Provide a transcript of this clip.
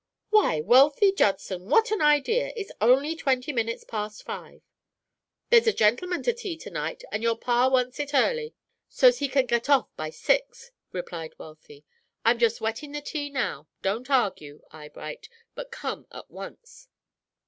"Why, Wealthy Judson, what an idea! It's only twenty minutes past five." "There's a gentleman to tea to night, and your pa wants it early, so's he can get off by six," replied Wealthy. "I'm just wetting the tea now. Don't argue, Eyebright, but come at once."